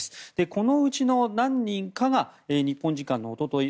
このうちの何人かが日本時間のおととい